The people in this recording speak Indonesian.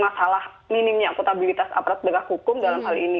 masalah minimnya akutabilitas aparat pendegak hukum dalam hal ini